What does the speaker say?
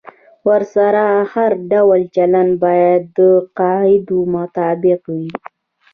ورسره هر ډول چلند باید د قاعدو مطابق وي.